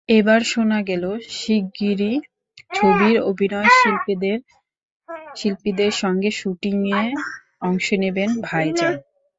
এবার শোনা গেল, শিগগিরই ছবির অভিনয়শিল্পীদের সঙ্গে শুটিংয়ে অংশ নেবেন ভাইজান।